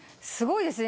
すごい。